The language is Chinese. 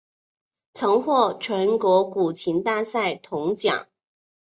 曾获全国古琴大赛铜奖。